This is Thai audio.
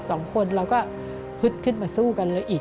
สองคนเราก็ฮึดขึ้นมาสู้กันแล้วอีก